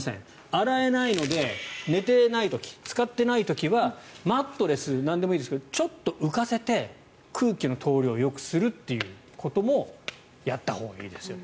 洗えないので寝てない時、使ってない時はマットレス、なんでもいいですがちょっと浮かせて空気の通りをよくするということもやったほうがいいですよと。